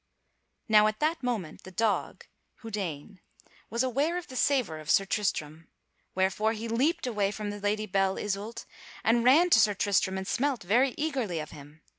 Now at that moment the dog, Houdaine, was aware of the savor of Sir Tristram; wherefore he leaped away from the Lady Belle Isoult and ran to Sir Tristram and smelt very eagerly of him.